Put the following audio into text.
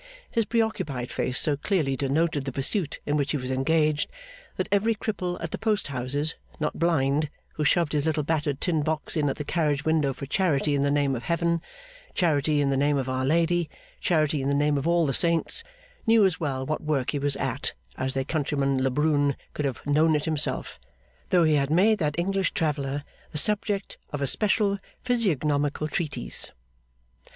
His preoccupied face so clearly denoted the pursuit in which he was engaged, that every cripple at the post houses, not blind, who shoved his little battered tin box in at the carriage window for Charity in the name of Heaven, Charity in the name of our Lady, Charity in the name of all the Saints, knew as well what work he was at, as their countryman Le Brun could have known it himself, though he had made that English traveller the subject of a special physiognomical treatise.